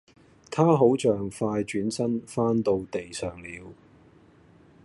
她好像快轉身翻到地上了